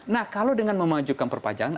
nah kalau dengan memajukan perpanjangan